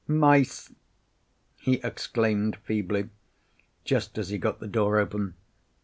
"Mice!" he exclaimed feebly, just as he got the door open.